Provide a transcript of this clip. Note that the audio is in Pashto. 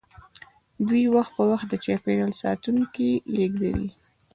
دوی وخت په وخت د چاپیریال ساتونکي لیږدوي